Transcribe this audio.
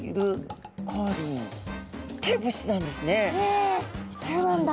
えっそうなんだ。